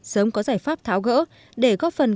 sớm có giải pháp tháo gỡ để góp phần